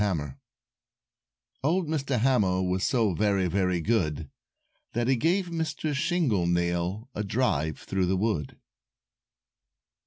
HAMMER Old Mr. Hammer Was so very, very good, That he gave Mr. Shingle Nail A drive through the wood.